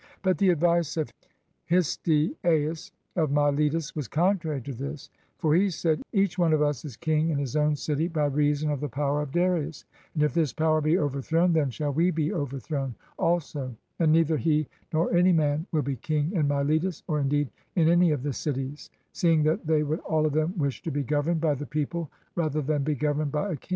But the advice of Histiaeus of Miletus was contrary to this, for he said, " Each one of us is king in his own city by reason of the power of Darius; and if this power be over thrown, then shall we be overthrown also, and neither he nor any man will be king in Miletus, or indeed in any of the cities, seeing that they would all of them wish to be governed by the people rather than be governed by a king."